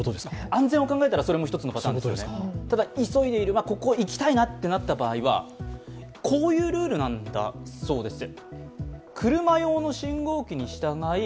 安全を考えたら、それも１つのパターンですよね、ただ、急いでいる、ここに行きたいなとなった場合はこういうルールだそうです。